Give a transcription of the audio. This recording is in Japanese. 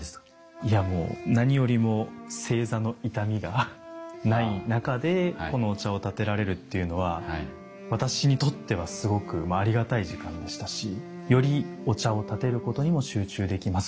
いやもう何よりも正座の痛みがない中でお茶を点てられるっていうのは私にとってはすごくありがたい時間でしたしよりお茶を点てることにも集中できますし。